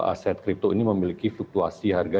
aset kripto ini memiliki fluktuasi harga